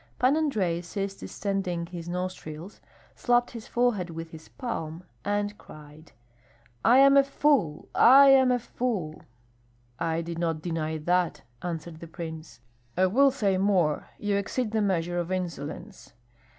Pan Andrei ceased distending his nostrils, slapped his forehead with his palm, and cried, "I am a fool! I am a fool!" "I do not deny that," answered the prince. "I will say more: you exceed the measure of insolence.